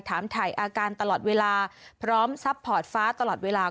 ถามถ่ายอาการตลอดเวลาพร้อมซัพพอร์ตฟ้าตลอดเวลา